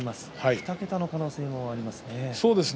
２桁の可能性がありますね。